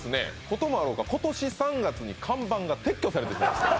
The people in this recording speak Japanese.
こともあろうか今年３月に看板が撤去されてしまいました